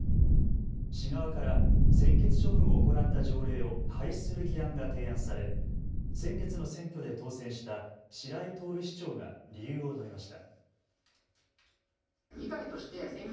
市側から専決処分を行った条例を廃止する議案が提案され先月の選挙で当選した白井亨市長が理由を述べました。